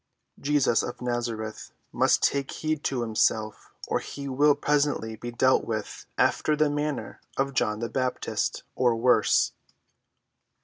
Jesus of Nazareth must take heed to himself or he will presently be dealt with after the manner of John the Baptist—or worse."